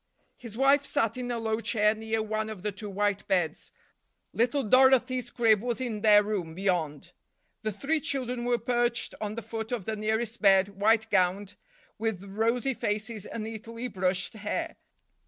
His wife sat in a low chair near one of the two white beds; little Dorothy's crib was in their room, beyond. The three children were perched on the foot of the nearest bed, white gowned, with rosy faces and neatly brushed hair.